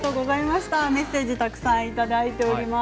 メッセージたくさんいただいています。